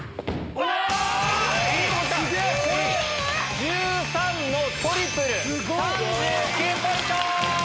１３のトリプル、３９ポイント。